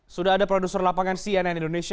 sudah ada produser lapangan cnn indonesia